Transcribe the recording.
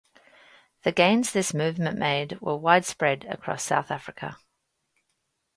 The gains this movement made were widespread across South Africa.